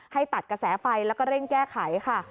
ให้ตัดกระแสไฟแล้วก็เร่งแก้ไขค่ะ